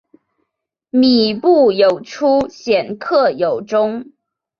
靡不有初鲜克有终